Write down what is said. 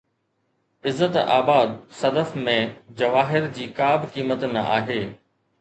عزت آباد-صدف ۾ جواهر جي ڪا به قيمت نه آهي